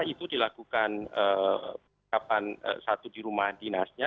itu dilakukan kapan satu di rumah dinasnya